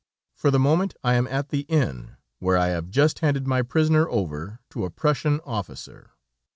For the moment I am at the inn, where I have just handed my prisoner over to a Prussian officer.